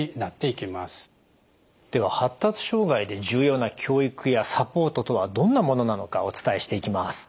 では発達障害で重要な教育やサポートとはどんなものなのかお伝えしていきます。